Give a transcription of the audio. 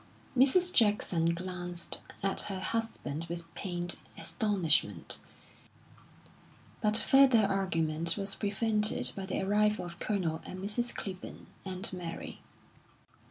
Mrs. Jackson glanced at her husband with pained astonishment, but further argument was prevented by the arrival of Colonel and Mrs. Clibborn, and Mary.